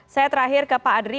saya terakhir ke pak adri